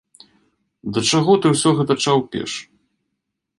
Да чаго ты ўсё гэта чаўпеш?